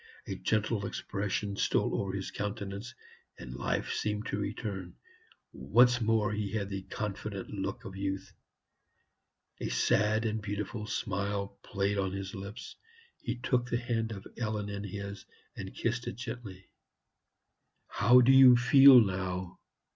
A gentle expression stole over his countenance, and life seemed to return. Once more he had the confident look of youth. A sad and beautiful smile played on his lips; he took the hand of Ellen in his, and kissed it gently. "How do you feel now?"